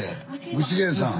具志堅さん。